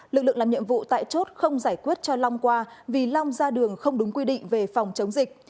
lực lượng làm nhiệm vụ tại chốt không giải quyết cho long qua vì long ra đường không đúng quy định về phòng chống dịch